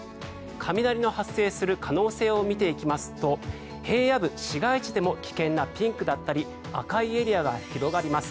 雷の発生する可能性を見ていきますと平野部、市街地でも危険なピンクだったり赤いエリアが広がります。